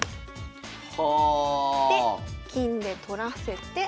はあ！で金で取らせて。